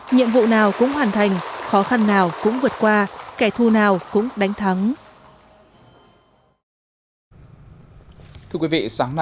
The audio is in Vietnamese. nhiệm vụ nào cũng hoàn thành khó khăn nào cũng vượt qua kẻ thù nào cũng đánh thắng